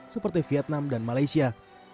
seperti vietnam dan malaysia